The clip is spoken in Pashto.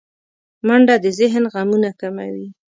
منډه د ذهن غمونه کموي